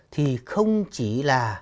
thì không chỉ là